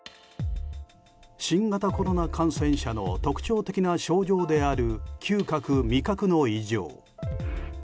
新型コロナ感染者の特徴的な症状である嗅覚・味覚の異常。